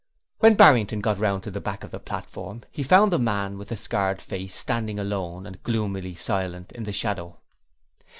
When Barrington got round to the back of the platform, he found the man with the scarred face standing alone and gloomily silent in the shadow.